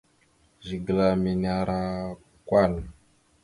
Zigla mene ara kwal.